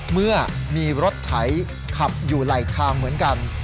เมื่อมีรถไถขับอยู่ไหลทางเหมือนกัน